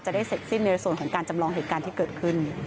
ได้เสร็จสิ้นในส่วนของการจำลองเหตุการณ์ที่เกิดขึ้น